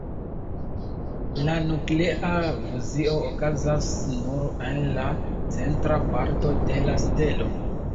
La nuklea fuzio okazas nur en la centra parto de la stelo.